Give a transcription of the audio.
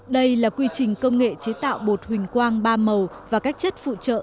đây là quy trình công nghệ chế tạo bột huỳnh quang ba màu và các chất phụ trợ